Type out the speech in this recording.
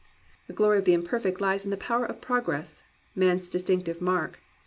The glory of the imperfect lies in the power of prog ress, " man's distinctive mark."